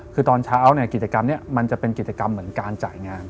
คือตอนเช้าเนี่ยกิจกรรมนี้มันจะเป็นกิจกรรมเหมือนการจ่ายงาน